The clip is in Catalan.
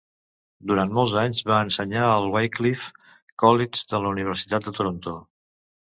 Durant molts anys va ensenyar al Wycliffe College de la Universitat de Toronto.